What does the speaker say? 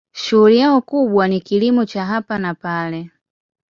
Shughuli yao kubwa ni kilimo cha hapa na pale.